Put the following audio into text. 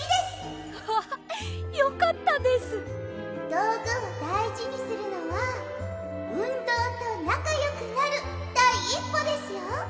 どうぐをだいじにするのはうんどうとなかよくなるだいいっぽですよ。